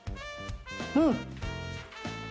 うん！